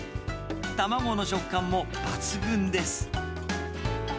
卵の食感も抜群です。